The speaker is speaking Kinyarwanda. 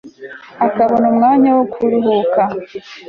akabona umwanya wo kuruhuka